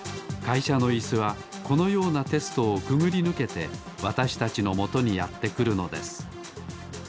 いしゃのイスはこのようなテストをくぐりぬけてわたしたちのもとにやってくるのです。